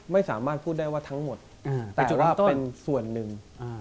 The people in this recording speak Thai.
ไม่สามารถพูดได้ว่าทั้งหมดแต่จุดว่าเป็นส่วนหนึ่ง